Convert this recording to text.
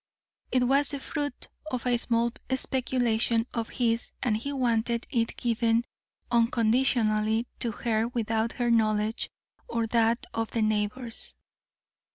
It was the fruit of a small speculation of his and he wanted it given unconditionally to her without her knowledge or that of the neighbours.